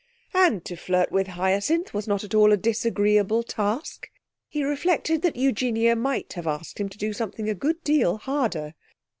And to flirt with Hyacinth was not at all a disagreeable task. He reflected that Eugenia might have asked him to do something a good deal harder.